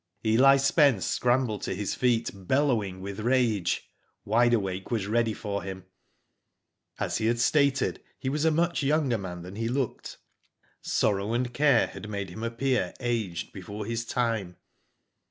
Eli Spence scrambled to his feet, bellowing with rage. Wide Awake was ready for him. As he had stated he was a much younger man than he looked, sorrow and care had made him appear aged before his time.